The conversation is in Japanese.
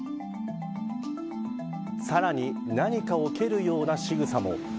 さらに何かを蹴るような仕草も。